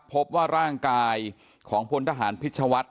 พบว่าร่างกายของพลทหารพิชวัฒน